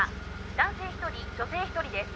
「男性１人女性１人です」